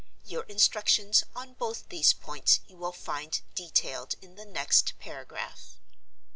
Your instructions on both these points you will find detailed in the next paragraph.